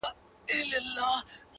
ځکه نه خېژي په تله برابر د جهان یاره-